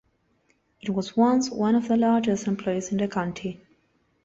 It was once one of the largest employers in the county.